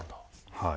はい。